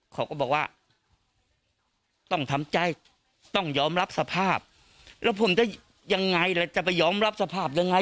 เขาก็บอกว่าต้องทำใจต้องยอมรับสภาพแล้วผมจะยังไงแล้วจะไปยอมรับสภาพยังไง